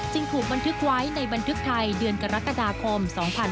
ถูกบันทึกไว้ในบันทึกไทยเดือนกรกฎาคม๒๕๖๒